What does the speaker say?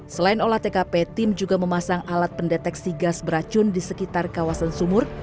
selain olah tkp tim juga memasang alat pendeteksi gas beracun di sekitar kawasan sumur